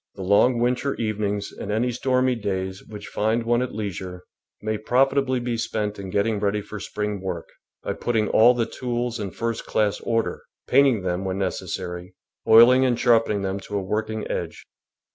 The long winter evenings and any stormy days which find one at leisure may profitably be spent in getting ready for spring work, by putting all the tools in first class order, painting them when necessary, oiling and sharpening them to a work ing edge.